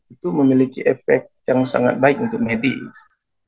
itu memiliki efek yang sangat baik untuk medis